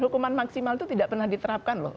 hukuman maksimal itu tidak pernah diterapkan loh